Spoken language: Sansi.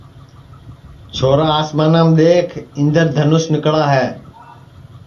چھورا آسمانام دؔیکھ اِندر دھنوس نِکݪا ہے